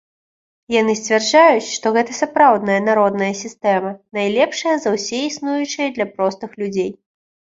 Яны сцвярджаюць, што гэта сапраўдная народная сістэма, найлепшая за ўсе існуючыя для простых людзей.